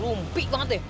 rumpi banget deh